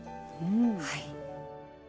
はい。